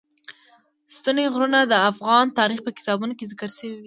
ستوني غرونه د افغان تاریخ په کتابونو کې ذکر شوی دي.